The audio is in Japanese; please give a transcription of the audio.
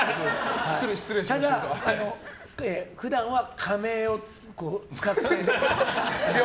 ただ、普段は仮名を使って。